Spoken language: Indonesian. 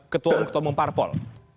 ketua umum ketua umum parpol